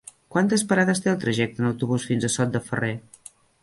Quantes parades té el trajecte en autobús fins a Sot de Ferrer?